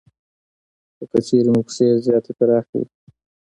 خو که چېرې مو پښې زیاتې پراخې وي